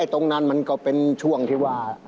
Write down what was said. ตรงนั้นมันก็เป็นช่วงที่ว่า